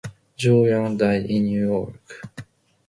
Joe Young died in New York.